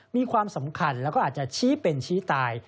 มีความสำคัญแล้วก็อาจจะชี้เป็นชี้ตาย